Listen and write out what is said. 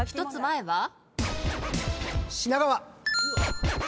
１つ前は？